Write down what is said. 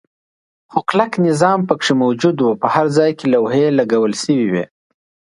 خو کلک نظم پکې موجود و، په هر ځای کې لوحې لګول شوې وې.